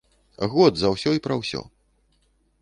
Год за ўсё і пра ўсё!